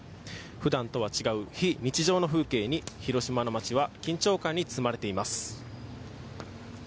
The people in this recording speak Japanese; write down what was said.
普段とは違う非日常の風景に広島の街は緊張感に包まれています。